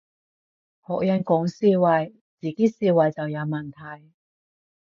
學人講思維，自己思維就有問題